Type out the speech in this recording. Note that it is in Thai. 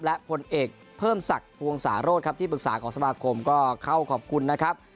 และผลเอกเพิ่มศักดิ์พวงศาโรธครับที่ปรึกษาของสมาคมก็เข้าขอบคุณนะครับ